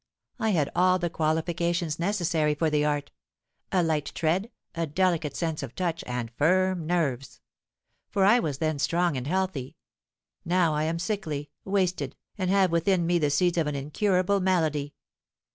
I had all the qualifications necessary for the art—a light tread, a delicate sense of touch, and firm nerves. For I was then strong and healthy: now I am sickly—wasted—and have within me the seeds of an incurable malady!